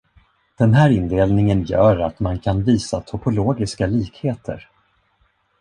Den här indelningen gör att man kan visa topologiska likheter.